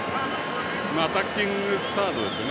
アタッキングサードですね。